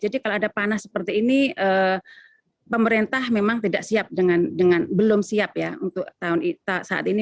jadi kalau ada panas seperti ini pemerintah memang tidak siap dengan belum siap ya untuk tahun saat ini